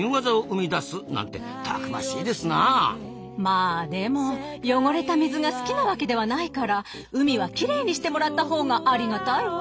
まあでも汚れた水が好きなわけではないから海はきれいにしてもらったほうがありがたいわ。